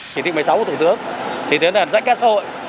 chỉ thị một mươi sáu của thủ tướng thì thế là rãnh kết xã hội